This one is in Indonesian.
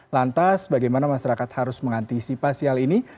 lantas bagaimana masyarakat harus mengantisipasi hal ini